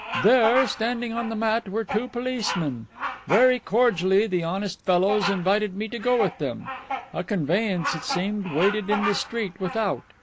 There, standing on the mat, were two policemen. Very cordially the honest fellows invited me to go with them. A conveyance, it seemed, waited in the street without.